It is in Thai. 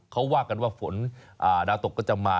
เขาว่ากันว่าฝนดาวตกก็จะมา